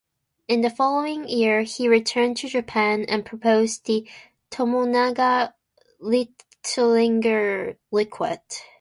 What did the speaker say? In the following year, he returned to Japan and proposed the Tomonaga-Luttinger liquid.